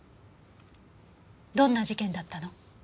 どんな事件だったの？